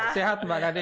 sehat mbak kd